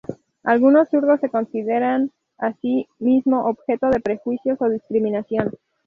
Algunos zurdos se consideran a sí mismos objeto de prejuicios o discriminación.